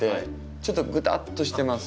ちょっとぐたっとしてます。